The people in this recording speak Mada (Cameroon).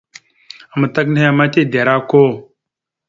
Amətak nehe ma tide ara okko.